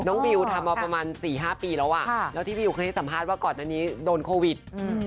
วิวทำมาประมาณสี่ห้าปีแล้วอ่ะแล้วที่วิวเคยให้สัมภาษณ์ว่าก่อนอันนี้โดนโควิด